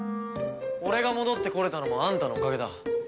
俺が戻ってこれたのもあんたのおかげだ。